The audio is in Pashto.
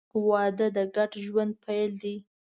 • واده د ګډ ژوند پیل دی.